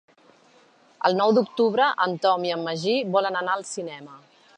El nou d'octubre en Tom i en Magí volen anar al cinema.